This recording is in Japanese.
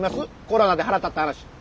コロナで腹立った話。